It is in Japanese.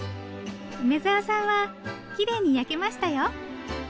梅沢さんはきれいに焼けましたよ。